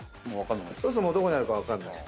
そうするともうどこにあるか分かんない。